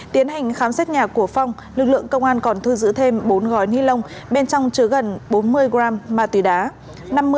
tiến hành khám xét nhà của phong lực lượng công an còn thu giữ thêm bốn gói ni lông bên trong chứa gần bốn mươi g ma túy đá